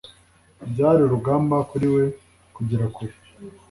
Byari urugamba kuri we kugera kure.